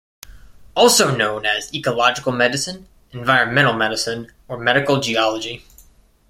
Also known as ecological medicine, environmental medicine, or medical geology.